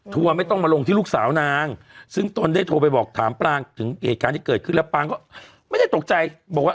ไม่ต้องมาลงที่ลูกสาวนางซึ่งตนได้โทรไปบอกถามปรางถึงเหตุการณ์ที่เกิดขึ้นแล้วปางก็ไม่ได้ตกใจบอกว่า